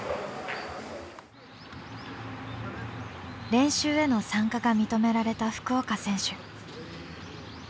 練習への参加が認められた福岡選手。